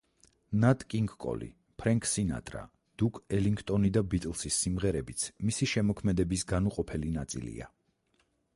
ნატ კინგ კოლი, ფრენკ სინატრა, დუკ ელინგონი და ბიტლსის სიმღერებიც მისი შემოქმედების განუყოფელი ნაწილია.